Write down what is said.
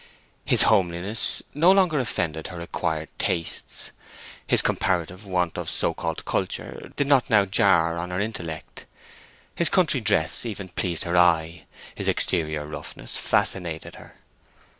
His homeliness no longer offended her acquired tastes; his comparative want of so called culture did not now jar on her intellect; his country dress even pleased her eye; his exterior roughness fascinated her.